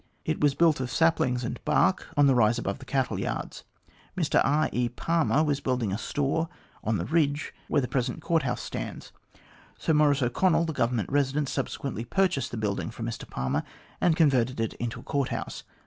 It was built of saplings and bark, on the rise above the cattle yards. Mr K. E. Palmer was building a store on the ridge where the present Court House stands. Sir Maurice O'Connell, the Government Kesident, subsequently purchased the building from Mr Palmer, and converted it into a Court House.